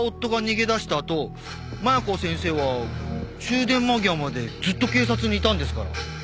あと麻弥子先生は終電間際までずっと警察にいたんですから。